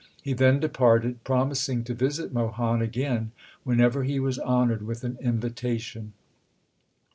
He then departed, promising to visit Mohan again whenever he was honoured with an invitation.